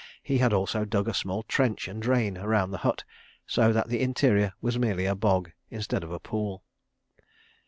He had also dug a small trench and drain round the hut, so that the interior was merely a bog instead of a pool.